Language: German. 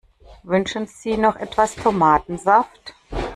Wünschen Sie noch etwas Tomatensaft?